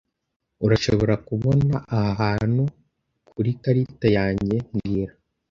Urashobora kubona aha hantu kurikarita yanjye mbwira